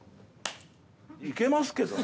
いけますけどね。